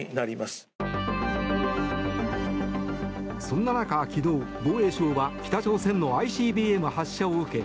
そんな中、昨日、防衛省は北朝鮮のＩＣＢＭ発射を受け